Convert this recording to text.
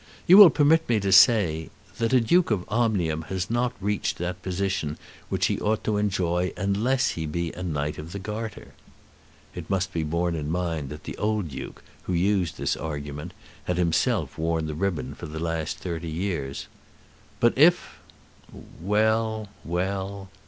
You will permit me to say that a Duke of Omnium has not reached that position which he ought to enjoy unless he be a Knight of the Garter." It must be borne in mind that the old Duke, who used this argument, had himself worn the ribbon for the last thirty years. "But if " "Well; well."